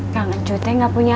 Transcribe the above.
kang encik teh gak punya hp